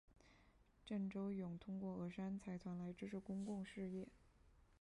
郑周永通过峨山财团来支持公益事业。